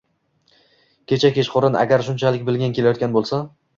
Kecha kechqurun, agar shunchalik bilging kelayotgan bo`lsa